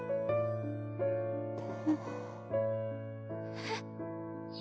えっ？